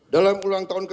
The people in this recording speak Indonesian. dalam ulang tahun ke sepuluh